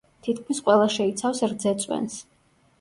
თითქმის ყველა შეიცავს რძეწვენს.